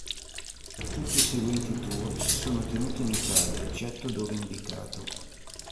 Tutti i seguenti tour si sono tenuti in Italia, eccetto dove indicato.